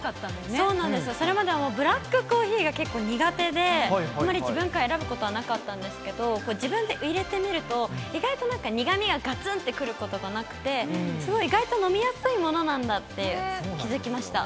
そうなんですよ、それまではブラックコーヒーが結構苦手で、あんまり自分から選ぶことはなかったんですけど、自分でいれてみると、意外となんか苦みががつんとくることがなくて、すごい意外と飲みやすいものなんだって気付きました。